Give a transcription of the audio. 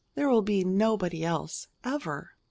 There will be nobody else, ever."